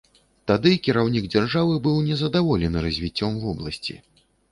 Тады кіраўнік дзяржавы быў незадаволены развіццём вобласці.